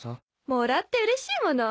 もらって嬉しいもの？